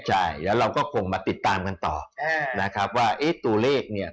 ใช่แล้วเราก็คงมาติดตามกันต่อนะครับว่าเอ๊ะตัวเลขเนี่ย